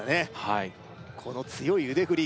はいこの強い腕振り